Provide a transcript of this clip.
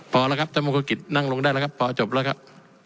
พอแล้วครับท่านมงคลกิจนั่งลงได้แล้วครับพอจบแล้วครับ